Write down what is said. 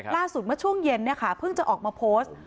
เมื่อช่วงเย็นเพิ่งจะออกมาโพสต์